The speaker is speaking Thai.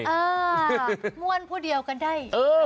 อ่าม่วนผู้เดียวกันได้